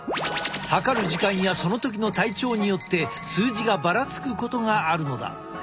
測る時間やその時の体調によって数字がばらつくことがあるのだ。